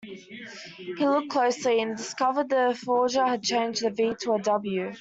He looked closely and discovered the forger had changed a V to a W.